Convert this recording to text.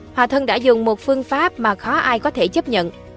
hòa thân đã dùng một phương pháp mà khó ai có thể chấp nhận